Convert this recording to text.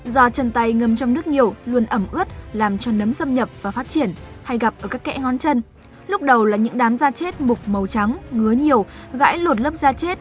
do chân tay ngâm trong nước nhiều luôn ẩm ướt làm cho nấm xâm nhập và phát triển hay gặp ở các kẽ ngón chân lúc đầu là những đám da chết mục màu trắng ngứa nhiều gãy lột lớp da chết